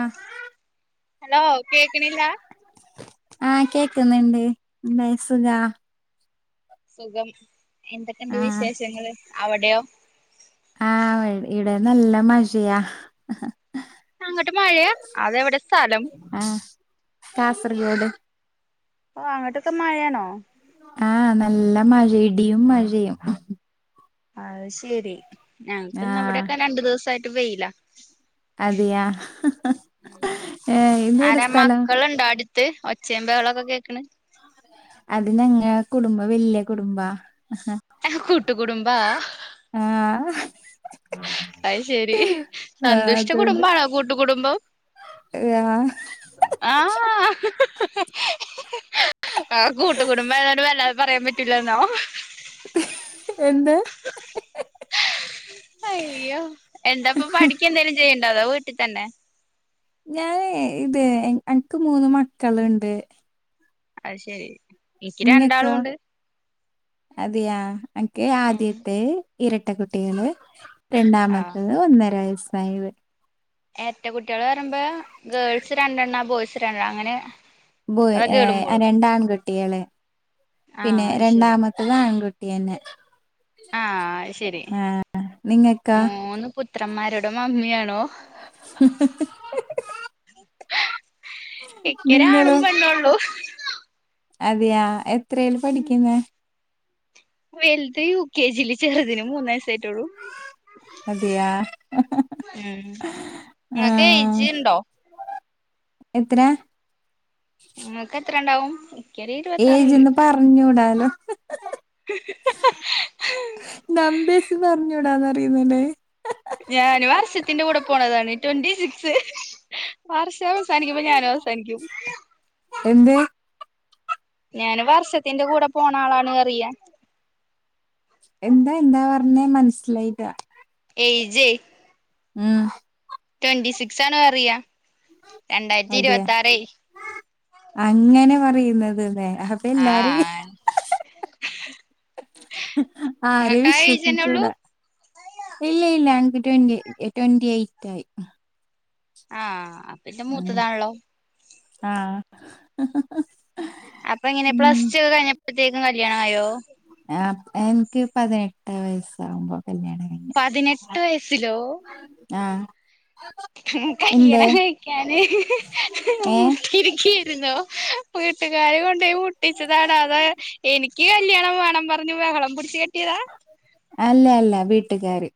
ആ ഹലോ കേക്കണില്ല ആ കേക്കുന്നുണ്ട് ന്തെ സുഖ സുഖം എന്തൊക്കെണ്ട് വിശേഷങ്ങള് അവിടെയോ ആ ഇവിടെ നല്ല മഴയാ അങ്ങോട്ട് മഴയ അതെവിടെ സ്ഥലം ത്രയോട് ഓ അങ്ങോട്ടൊക്കെ മഴെണോ ആ നല്ല മഴ ഇടിയും മഴയും അത് ശെരി ഞങ്ങക്ക് ഇന്ന് ആഹ് അവിടെക്കെ രണ്ടു ദിവസായിട്ട് വെയില അതെയാ ഏ ഇതെവിടെ സ്ഥലം ത്ത് ഒച്ചേ ബഹളൊക്കെ കേക്കണ് അത് ഞങ്ങ കുടുംബ വല്യ കുടുംബാ കൂട്ടുകുടുംബാ ആ അത് ശെരി ആഹ് സന്തുഷ്ട കുടുംബണോ കൂട്ടുകടുംബം ആ ആ ആ കൂട്ടുകടുംബ ആയോണ്ട് വല്ലാതെ പറയാൻ പറ്റൂല്ല ല്ലോ എന്ത് അയ്യോ എന്താപ്പൊ പഠിക്കെ എന്തേലും ചെയ്യ ഉണ്ടതോ വീട്ടി തന്നെ ഞാനെ ഇതെ എനക്ക് മൂന്ന് മക്കള്ണ്ട് അത് ശെരി എനിക്ക് രണ്ടാളുംണ്ട് അതെയാ എനക്ക് ആദ്യത്തെ ഇരട്ട കുട്ടികള് രണ്ടാമത്തത് ഒന്നരയസ്സായത് എരട്ട കുട്ടികള് പറയുമ്പോ ഗേൾസ് രണ്ടെണ്ണ ബോയ്സ് രണ്ടെണ്ണ അങ്ങനെ ബോയ് അതൊക്കെ ഏ ഹ് ഇടുമ്പോളും രണ്ടാൺകുട്ടികള് പിന്നെ ആഹ് അത് ശരി രണ്ടാമത്തത് ആൺകുട് ട്ടി യന്നെ ആഹ് അത് ശരി ആ നിങ്ങക്കാ പുത്രന്മാരോട മമ്മിയാണോ എക്കരാണും നിങ്ങളോ പെണ്ണുള്ളൂ അതെയാ എത്രേൽ പഠിക്ക്ന്നെ വലുത് യു കെ ജി ല് ചെറുതിന് മൂന്നയസായിട്ടെള്ളു അതെയാ ഉം നിങ്ങക്ക് ആഹ് ഏയ്ജിണ്ടോ എത്ര നിങ്ങക്ക് എത്രണ്ടാവും ഏജ്ന്ന് പറഞ്ഞൂടാലോ നമ്പേസ് പറഞ്ഞൂടാന്ന്റിയുന്നല്ലേ ഞാന് വർഷത്തിന്റെ കൂടെ പോണതാണ് ട്വന്റി സിക്സ് വർഷ അവസാനിക്കുമ്പോ ഞാനും അവസാനിക്കും എന്ത് ഞാന് വർഷത്തിന്റെ കൂടെ പോണ ആളാണ് കറിയ എന്താ എന്താ പറഞ്ഞേ മനസ്സിലായിട്ടാ ഏജെ ഉം ട്വന്റി സിക്സ് ആണ് അറിയ രണ്ടായിരത്തി അതെയ ഇരുപത്തി ആറേ അതതെ അപ്പൊ എല്ലാരും ആര നിങ്ങക്കാ ഏജന്നെ ഉള്ളൂ വിശ്വസിച്ചൂടാ ഇല്ല ഇല്ല ങ്കി ട്വന്റി ട്വന്റി എയ്റ്റ് ആയി ആ അപ്പെ ൻ്റെ മൂത്തതാണല്ലോ ആ അപ്പൊ ഇങ്ങനെ പ്ലസ് ടു ഒക്കെ കഴിഞ്ഞപ്പോഴത്തേക്കും കല്യാണം ആയോ ആ എനിക്ക് പതിനെട്ട് വയസ്സാകുമ്പോൾ കല്യാണം കഴിഞ്ഞു പതിനെട്ട് വയസ്സിലോ ആ എന്തേ കല്യാണം കഴിക്കാന് ഏ മുട്ടിയിരിക്ക ട്ടിരുന്നോ വീട്ടുകാര് കൊണ്ടോയി മുട്ടിച്ചതാണ് അത് എനിക്ക് കല്യാണം വേണം പറഞ്ഞു വഹളം പിടിച്ച് കെട്ടിയതാ ട്ടുകാര്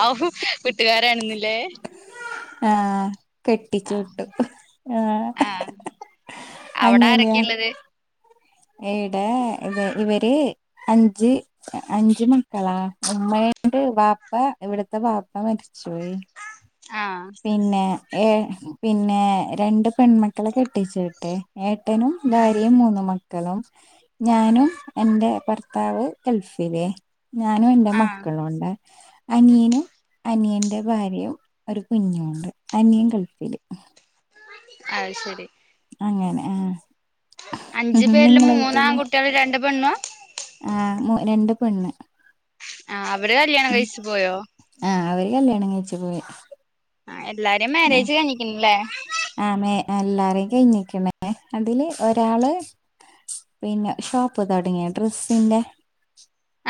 ആ വീട്ടുകാരാണെന്നില്ലേ ആ ആഹ് കെട്ടിച്ചുട്ടു ആ ആഹ് അവിടെ അങ്ങനെയാ ആരൊക്കെയുള്ളത് എടെ ഇത് ഇവര് അഞ്ച് അഞ്ച് മക്കളാ ഉമ്മ എണ്ട് വാപ്പ ഇവിടത്തെ വാപ്പ മരിച്ചു പോയി ആഹ് പിന്നെ ഏ പിന്നെ രണ്ട് പെൺമക്കള കെ ട്ടിച്ചുവിട്ടെ ഏട്ടനും ഭാര്യയും മൂന്നും മ ക്കളും ഞാനും എന്റെ ഭർത്താവ് ഗൾഫിലെ ഞാനും എന്റെ ആഹ് മക്കളും ഉണ്ട് അനിയനും അനിയന്റെ ഭാര്യയും ഒരു കുഞ്ഞുണ്ട് അനിയും ഗൾഫില് അയ്ശരി അങ്ങനെ ആ അഞ്ചു പേരില് മൂന്നാകുട്ടികളും രണ്ട് പെണ്ണു ആ രണ്ട് പെണ്ണ് ആ അവിടെ കല്യാണ കൈച് പോയോ ആഹ് അവര് കല്യാണം കഴിച്ചു പോയി ആ എല്ലാരും മാരേജ് കാണിക്കണില്ലേ എല്ലാരും കഴിഞ്ഞിക്കണേ അതില് ഒരാള് പിന്നെ ഷോപ്പ് തുടങ്ങിയ ഡ്രസ്സിന്റെ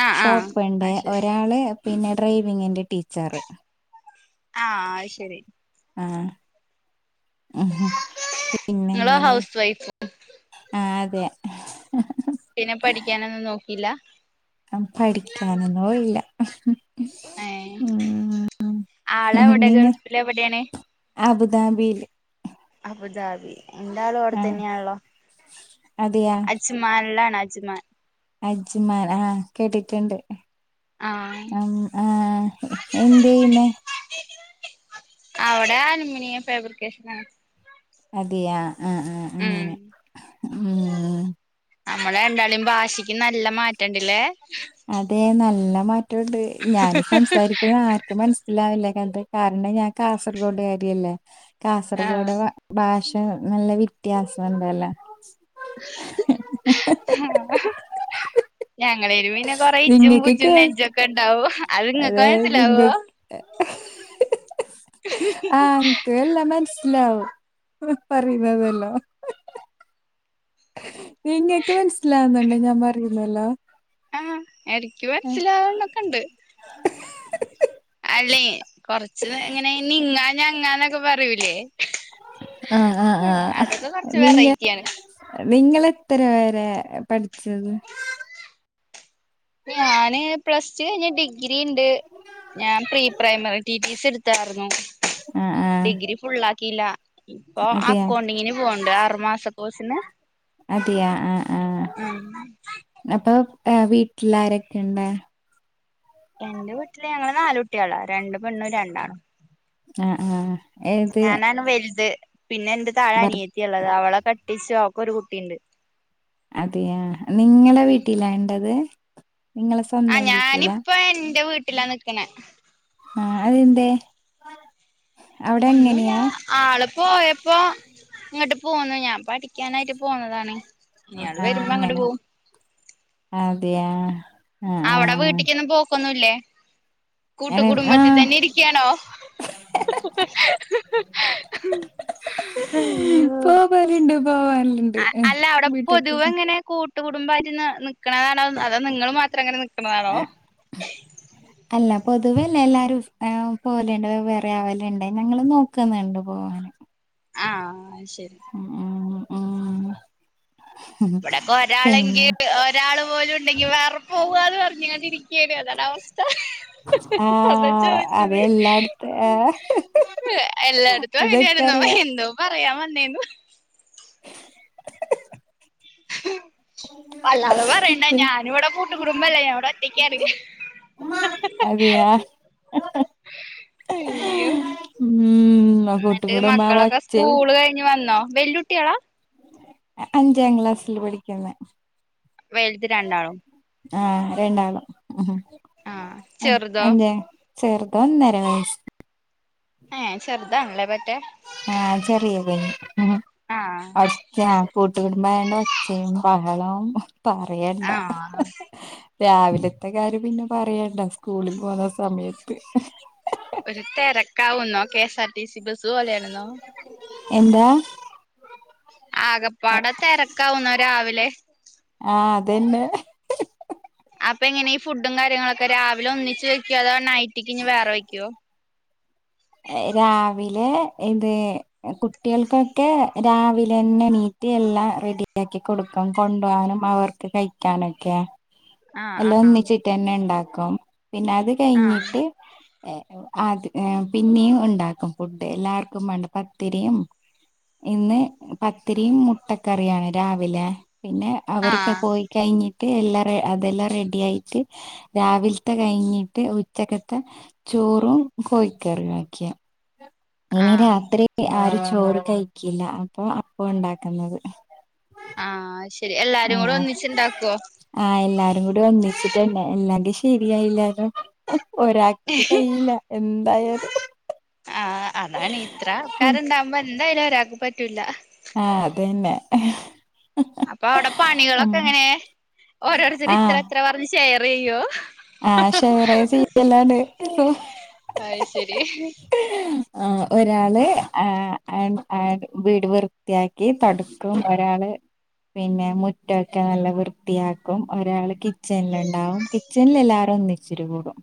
ആഹ് ആഹ് ഷോപ്പ് പ്ണ്ട് അത് ശരി ഒരാള് പിന്നെ ഡ്രൈവിങ്ങിന്റെ ടീച്ചറ് ആ ശരി ആ ഉം പിന്നെ നിങ്ങള് എന്തല്ലേ ഹൗസ് വൈഫ് ആ അതെ പിന്നെ പഠിക്കാനൊന്നും നോക്കിയില്ല പഠിക്കാനൊന്നും ഇല്ല ഉം ആളെ അവിടെ നിങ്ങ ഗൾഫില് എവിടെയാണ് അബുദാബിയില് എൻ്റാളും ആഹ് അവിടെത്തന്നെയാണല്ലോ അതെയാ അജ്മാൻല്ലാണ് അജ്മാൻ അജ്മാൻ ആ കേട്ടിട്ടുണ്ട് ആഹ് അം ആ എന്തെയ്ന്നെ അവിടെ ആനിമിനിയം ഫാബ്രിക്കേഷനാണ് അതെയാ ആ ആ അങ്ങനെ ഉം ഉം നമ്മളെ രണ്ടാൾടെയും ഭാഷക്ക് നല്ല മാറ്റുണ്ടില്ലേ അതെ നല്ല മാറ്റൊണ്ട് ഞാന് സംസാരിക്കുന്ന ആർക്കും മനസിലാവില്ലേ ഏൻട്ര് കാരണം ഞാൻ കാസർഗോഡ് കാരിയല്ലേ ആഹ് കാസർഗോഡ് ഭാഷ റ്റ് നല്ല വിത്യാസം ഉണ്ടല്ലേ ഞങ്ങള് പെരുവിനെ കൊറെയ് നിങ്ങക്ക് ജിമ്പുജ് കേ ജിന്നേജക്കേണ്ടാവോ അത്ങ്ങക്ക് അതെ നിങ്ങ മൻസ്സിലാവോ ആ ൻക് എല്ലാ മൻസ് ലാവും പറയുന്നതെല്ലാം നിങ്ങക്ക് മൻസിലാവുന്നുണ്ട് ഞാൻ പറയുന്നേല്ലാം ആഹ് എനിക്കു മൻസിലാവണക്ക ഇണ്ട് അല്ലേ കൊറച്ച് എങ്ങനെ നിങ്ങാനാ അനങ്ങാന്നൊക്ക പറയൂലേ ആ ആ ആ അതൊക്കെ കൊറച്ച് നിങ്ങ വെറൈറ്റിയാണ് നിങ്ങളെ എത്ര വേരെ പഠിച്ചത് ഞാന് പ്ലസ്ടു കഴിഞ്ഞ് ഡിഗ്രി ഇണ്ട് ഞാൻ പ്രീ പ്രൈമറി റ്റിറ്റിസിടു ത്താരുന്നു ആഹ് ആഹ് ഡിഗ്രി ഫുള്ളാക്കീല്ല ഇപ്പൊ അതെയാ അക്കൗണ്ടിങ്ങിന് പോവണ്ട് അറുമാസ കോസിന് അതെയാ ആഹ് ആഹ് അപ്പൊ ആ വീട്ടിലാരൊക്കെ ഇണ്ട് എന്റെ വീട്ടില് ഞങ്ങള് നാലുട്ടികളാ രണ്ട് പെണ്ണും രണ്ടാണും ആ ആ ഞാനാണ് വൽത് പിന്നെ എന്റെ താഴെ ഭർ അനിയത്തിയൊള്ളതാ അവള കെട്ടിച്ചു അവ് ക്കൊരു കുട്ടിണ്ട് അതെയാ നിങ്ങളെ വീട്ടിലാണ്ടത് നിങ്ങളെ ആ സ്വന്തം വീട്ടിലാ ഞാനിപ്പ എന്റൊ വീട്ടിലാ നിക്ക്ണേ ആ അത് എന്തേ ഒന്നൂല്ല ആള് പോയപ്പോ ഇങ്ങട്ട് പോന്ന് ഞാൻ പഠിക്കാനായിട്ട് പോന്നതാണ് ഇയാള് ആഹ് വരുമ്പം അങ്ങട്ട് അങ്ങനെ പോവും അതെയാ ആഹ് അവിടെ ആഹ് വീട്ടിക്കൊന്നും പോക്കൊന്നുല്ലേ കൂട്ടു അങ്ങനെ ആഹ് കുടുംബത്തിതന്നെ ഇരിക്കാണോ പോവലുണ്ട് പോവാലു അ അല്ല അവിടെ പൊതുവെങ്ങനെ കൂട്ടു കുടുംബാറ്റ്ന്ന് നിക്കണതാണോ അതാ നിങ്ങള് മാത്രങ്ങനെ നിക്ക് ക്ക്ന്നത് ആണോ പൊതുവേല്ല എല്ലാരും പോവല്ണ്ട് വെവ്വെറെ ആവലുണ്ട് ഞങ്ങള് നോക്കുന്നുണ്ട് പോവാന് ആഹ് ശരി ആഹ് ഇവിടൊക്കെ ഒരാളെങ്കി ഒരാളു പോലും ഉണ്ടെങ്കി വേറെപോവ്വാന്ന് പറഞ്ഞ്കാണ്ട് ഇരിക്കും ക്ക്ണ് അതാണ് അവസ്ഥ അതാ ആഹ് അത് ചോയിച്ചത് എല്ലായിടത്ത് ഏഹ് എല്ലായിടത്തും അതൊക്കെ അങ്ങനാരുന്നോ അറിയാ എന്തോ പറയാം വന്നേന്നു [inaudible] അല്ലാത പറയണ്ട ഞാനിവിട കൂട്ടുകുടുംബല്ല ഞാൻ ഇവിടെ ഒറ്റെക്കാണ് അതെയാ അയ്യോ ഉം എന്നിട്ട് കൂട്ടുകുടുംബ ആ മക്കളൊക്കെ ഒച്ചയും സ്കൂള് കഴിഞ്ഞ് വന്നോ വെല്ലുട്ട്യാളാ അ അഞ്ചാം ക്ലാസ്സില് പഠിക്കുന്നേ വെല്ത് രണ്ടാളും ആ രണ്ടാളും ആഹ് ഉം ചെറുതോ അഞ്ചാ ചെറുത് ഒന്നര വയസ് ഹെ ചെർതാണല്ലേ വൽ ആഹ് ചെറിയ [unintelligible] ഉം ആഹ് [unintelligible] കൂട്ടുകുടുംബായോണ്ട [unintelligible] ങ്ങളും പറയണ്ട ആഹ് രാവിലത്തെ കാര്യം പിന്നെ പറയണ്ട സ്കൂളിൽ പോന്ന സമയത്ത് ഒരു തെരക്കാവുന്നോ കേസാ ടി സി ബസ്സ് പോലെയാര്ന്നോ എന്താ ആകപ്പാടെ തെരക്കാവുന്നോ രാവിലെ ആഹ് അതന്നെ അപ്പം എങ്ങനെ ഈ ഫുഡും കാര്യങ്ങളൊക്കെ രാവിലെ ഒന്നിച്ച് വെയ്ക്കോ അതോ നൈറ്റിക്ക് ഇനി വേറെ വെയ്ക്കുവോ രാവിലെ ഇത് കുട്ടിയൾക്കൊക്കെ രാവിലന്നെ എണീ റ്റ് എല്ലാം റെഡിയാക്കി കൊടുക്കും കൊണ്ടോവാനും അവർക്ക് കഴിക്കാനൊക്കെ ആഹ് എല്ലാം ആഹ് ഒന്നിച്ചിട്ട് തന്നെ ഉണ്ടാക്കും പിന്നെ അത് ആഹ് കഴിഞ്ഞിട്ട് ഏ അത് പിന്നെയും ഉണ്ടാക്കും ഫുഡ് എല്ലാവർക്കും വേണ്ട പത്തിരിയും ഇന്ന് പത്തിരിയും മുട്ടക്കറിയാണ് രാവിലെ പിന്നെ അവരൊക്കെ ആഹ് പോയി കഴിഞ്ഞി ട്ട് എല്ലാരേം അതെല്ലാം റെഡിയായിട്ട് രാവിൽത്ത കഴിഞ്ഞിട്ട് ഉച്ചക്കത്ത ചോ ചോറും കോഴിക്കറിം വെക്കും ഇനി ആഹ് രാത്രി ആരും ചോ ചോറ് കഴിക്കില്ല അപ്പൊ അപ്പം ഉണ്ടാക്കുന്നത് ആഹ് അത്ശെരി ആ എല്ലാരും കൂടെ ഒന്നിച്ചുണ്ടാക്കുവോ ആ [unintelligible] കൂടി ഒന്നിച്ചിട്ടന്നെ എല്ലാർടെയും ശെരിയായില്ലാരോ ഒരാക്ക് കഴിയില്ല എന്തായാലും ആഹ് അതാണ് ഇത്ര ആൾക്കരുണ്ടാവുമ്പോ എന്തായാലും ഒരാക്ക് പറ്റൂല്ല ആഹ് അതന്നെ അപ്പൊ അവിടെ ഉം പണികളൊക്കെ എങ്ങനെ ഓരോരുത്തര് ഇത്ര ഇത്ര പറഞ്ഞ് ഷെയറെയ്യോ ആഹ് ഷെയറേ അത് ശരി [unintelligible] ആ ഒരാള് ആ ആൻ ആൻ വീട് വൃത്തിയാക്കി തൊടക്കും ഒരാള് പിന്നെ മുറ്റൊക്കെ നല്ല വൃത്തിയാക്കും ഒരാള് കിച്ചണിലുണ്ടാവും ഇച്ചിരി കൂടും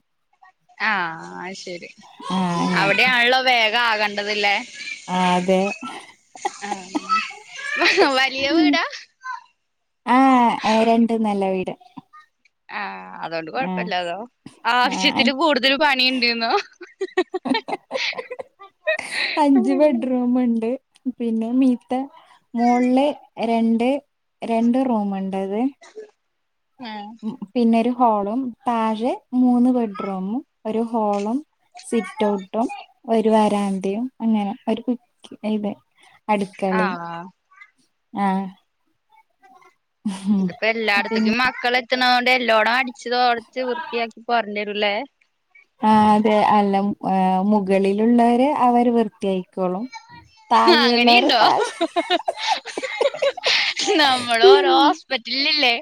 ആഹ് ശെരി ആ അങ്ങനെ അവിടെയാണല്ലോ വേഗം ആകണ്ടത് ഇല്ലേ ആ അതെ വ വലിയ വീടാ ആഹ് രണ്ടും നല്ല വീട് ആഹ് അതോണ്ട് ആ കൊഴപ്പില്ല അതോ ആ ആവശ്യത്തില് കൂടുതൽ പണിയുണ്ട്ന്നോ അഞ്ച് ബെഡ്റൂമ്ണ്ട് പിന്നെ മീത്ത മോള്ള്ല് രണ്ട് രണ്ട് ആഹ് ഉ പിന്നൊരു ഹോളും താഴെ മൂന്ന് ബെഡ്റൂമും ഒരു ഹോളും സിറ്റ് ഔട്ടും ഒരു വരാന്തയും അങ്ങനെ ഒരു കു [unintelligible] അടുക്കളയും ആഹ് ആഹ് ഉം ഇതിപ്പം പിന്നെ എല്ലായിടത്തെക്കും മക്കള് എത്തണോണ്ട് എല്ലോടം അടിച്ച് തോടച്ച് വൃത്തിയാക്കി പറഞ്ഞരൂല്ലേ ആ അതെ അല്ലം ആ മുകളിലുള്ളവര് അവര് വൃത്തിയായിക്കോളും താഴെയുള്ളവർ അങ്ങനെയുണ്ടോ താഴെ നമ്മള് പിൻ ഓ--രോ ഹോസ്പിറ്റ ഇല്ലില്ലേ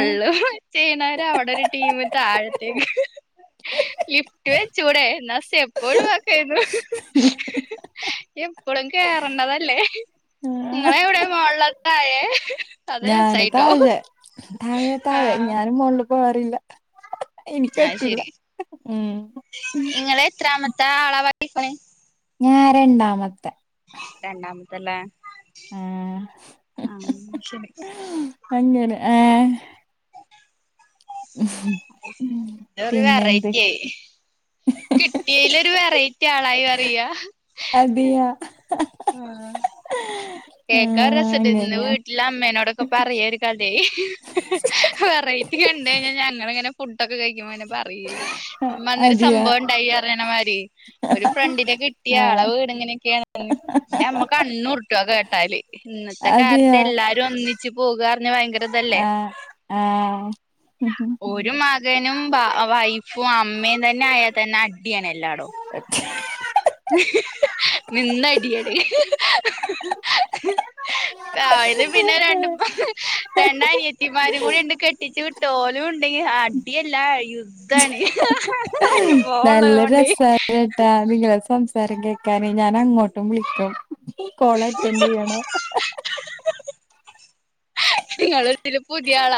ഏ ചെയ്യണോര് അവിടൊരു ടീമ് താഴത്തേക്ക് ലിഫ്റ്റ് വെച്ചൂടെ എന്ന സ്റ്റെപ്പൊഴുവാക്കാര്ന്നു എപ്പളും കേറണ്ടതല്ലേ നിങ്ങളെ എവിടെ മോള്ള്ലോ താഴെ അത് രസായിട്ടോ തായേ തായേ ആഹ് ഞാനും മോുകളിൽ പോവാറല്ല ആഹ ശരി ഉം നിങ്ങള്െ എത്രാമത്തെ ആള വടിണ ഞാ രണ്ടാമത്തെ രണ്ടാമത്തല്ലേ ആ ആ ശ അങ്ങ ആഏ അത് ശരി പിന്നെന്ത് കിട്ടിയലൊ ഒരു വെറൈറ്റി ആളായി അറിയ അതിയാ ആഹ ആ കേക്കാൻ രസട്ടന്ന് അങ്ങനെയാ വീട്ടില അമ്മേനോടൊക്കെ പറയാരിക്കല്ലെ പറ ണ്ട് കഞങ്ങ പിെ ഫുഡൊക്കെ കഴിക്കുമ്പോ അെ പറയി അമ്മ അന്നൊരു അതിയാ സംഭവം ഉണ്ടായി അറനമാര് ഒരു ഫ്രണ്ടിിന കിട്ടിയ ആ ആളെ വീട് ഇങ്ങനെയൊക്കെയാണ എന്നമ്മ കണ്ണുർട്ടു കേട്ടാല് ഇന്നത്തെ കാലത്ത് എല്ലാരും ഒന്നിച്ച് പോകാ- ആഹ് ആഹ് ഒരു മകനും വൈഫും അമ്മയും തന്നെ ആയാൽ തന്നെ അടിയാണ് എല്ലാടോം [inaudible] [unintelligible] നിന്നടിയാണ് [unintelligible] പിന്നെ രണ്ടും [unintelligible] രണ്ട് അനിയത്തിമാരും കൂടി ഉണ്ട് കെട്ടിച്ചു വിട്ടോലും ഉണ്ട് [unintelligible] അടിയല്ല യുദ്ധാണ് അങ്ങ് നല്ല പോവുള്ളതുണ്ട്. [inaudible] സാരം കേക്കാനെ ഞാൻ അങ്ങോട്ടും വിളിക്കും കോള അറ്റൻഡ ചെയ്യണം- നിങ്ങൊതില പുതിയാളാ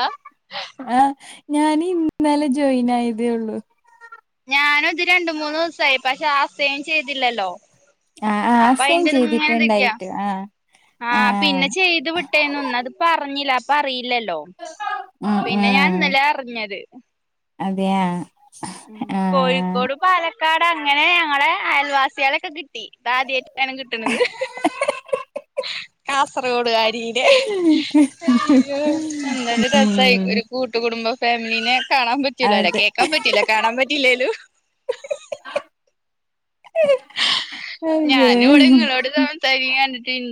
ഞനെ ഇന്നലെ ജോയിൻ ആയതേ ഉള്ളു ഞാന ഇത് രണ്ട മൂന്ന്ു ദിവസായി പക്ഷെ ആ സെയമ് ചെയ്തില്ലല്ലോ. ആ ആ അപ്പൊ അസയമ് ചെയ്തിട്ടുണ്ടായിട്ട് ആഹ ആഹ പിന്നെ ചെയ്ത് വിട്ടേന്ന ഒന്ന അത് പറഞ്ഞില്ല. ഇല്ലല്ലോ ഉം പിന്നെ ഞാൻ ഉം ഇന്നലെ അറിഞ്ഞത്. അതെയാ. ഉ ആ കോഴിക്കോടു പാലക്കാട്. അടെ അങ്ങനെ ഞങ്ങളെ അയൽവാസികളൊക്കെ കിട്ടി ഇ ആദ്യമായിട്ടാണ് ഉം കിട്ടുന്നത്. ആ [unintelligible] കസർകോട്ട്കാരിയ ലെഎന്തായാലും രസമായി ഒരു കൂട്ടുകടുംബം ഫാമിലീനെ കാണാൻ പറ്റൂലോല്ലാ അതെ കേക്കാൻ പറ്റല കാണാൻ പറ്റല്ലേലോ ഞാനും അേ ഇവിടെ ഇങ്ങളോട് സംസാരിക്കണ കണ്ടിട്ട് [unintelligible]